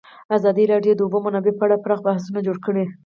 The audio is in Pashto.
ازادي راډیو د د اوبو منابع په اړه پراخ بحثونه جوړ کړي.